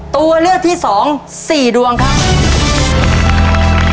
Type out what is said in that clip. ตัวเลือกที่๒๔ดวงครับ